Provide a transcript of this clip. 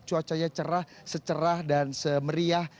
cuacanya cerah secerah dan semeriah